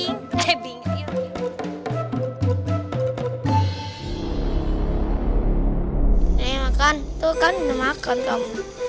nih makan tuh kan udah makan dong